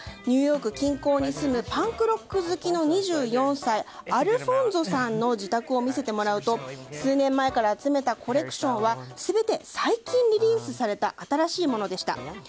ニューヨーク近郊に住むパンクロック好きの２４歳アルフォンゾさんの自宅を見せてもらうと数年前から集めたコレクションは全て最近リリースされた新しいものでした。